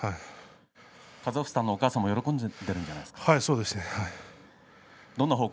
カザフスタンのお母さんも喜んでいるんじゃないですか。